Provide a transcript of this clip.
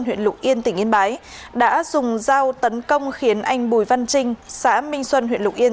huyện lục yên tỉnh yên bái đã dùng dao tấn công khiến anh bùi văn trinh xã minh xuân huyện lục yên